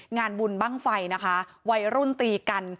งานบุญบ้างไฟนะคะวัยรุ่นตีกัน